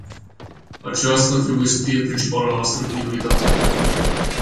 Aceasta trebuie să fie principala noastră prioritate.